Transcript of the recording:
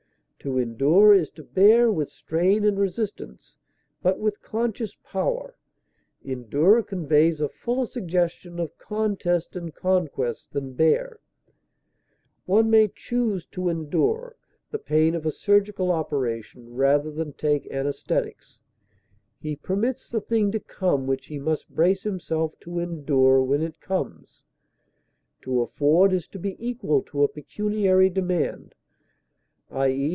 To endure is to bear with strain and resistance, but with conscious power; endure conveys a fuller suggestion of contest and conquest than bear. One may choose to endure the pain of a surgical operation rather than take anesthetics; he permits the thing to come which he must brace himself to endure when it comes. To afford is to be equal to a pecuniary demand, _i. e.